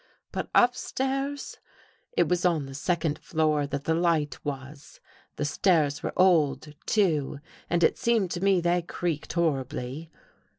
But up stairs ! It was on the second story that the light was. The stairs were old, too, and it seemed to me they creaked horribly.